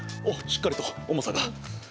おっしっかりと重さが。